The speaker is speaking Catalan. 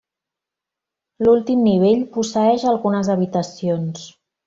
L'últim nivell posseeix algunes habitacions.